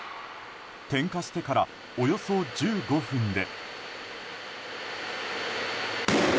点火してからおよそ１５分で。